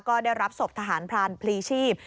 ก็ได้รับศพทหารพรานพลีชีพ